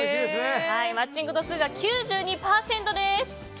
マッチング度数が９２％です。